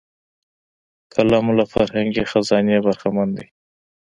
قلم له فرهنګي خزانې برخمن دی